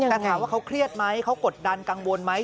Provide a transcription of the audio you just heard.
แต่ถามว่าเขาเครียดไหมเขากดดันกังวลไหม